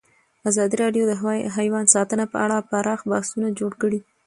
ازادي راډیو د حیوان ساتنه په اړه پراخ بحثونه جوړ کړي.